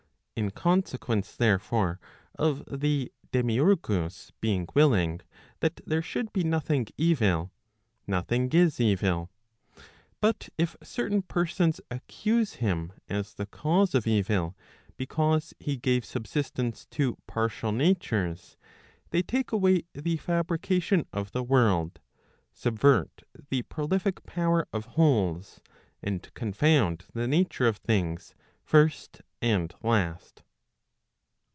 In consequence therefore of the demiurgus being willing that there should be nothing evil, nothing is evil. But if certain persons accuse him as the cause of evil, because he gave subsistence to partial natures, they take away the fabrication of the world, subvert the prolific power of wholes, and confound the nature of things first and last.